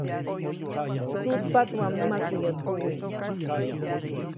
Sutpaʼt waʼa mnämaku yäʼ tuwi.